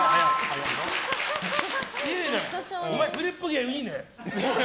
お前、フリップ芸いいね。